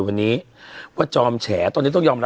ปรากฏว่าจังหวัดที่ลงจากรถ